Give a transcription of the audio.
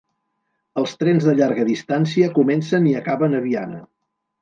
Els trens de llarga distància comencen i acaben a Viana.